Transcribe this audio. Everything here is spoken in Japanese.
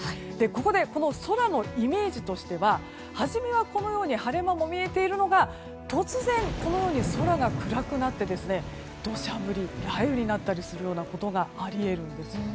ここで空のイメージとしては初めは晴れ間も見えているのが突然、このように空が暗くなって土砂降り、雷雨になったりすることがあり得るんです。